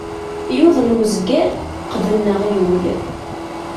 Yuḍen uzger, qqden aɣyul.